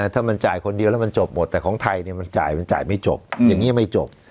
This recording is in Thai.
ถ้ามันจ่ายคนเดียวแล้วมันจบหมดแต่ของไทยมันจ่ายมันจ่ายไม่จบอย่างนี้ไม่จบ